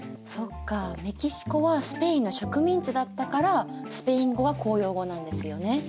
そっかメキシコはスペインの植民地だったからスペイン語が公用語なんですよね。